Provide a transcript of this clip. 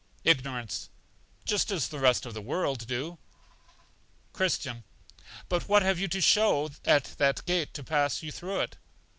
Ignorance. Just as the rest of the world do. Christian. But what have you to show at that gate to pass you through it?